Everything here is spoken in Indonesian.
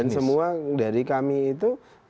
dan semua dari kami itu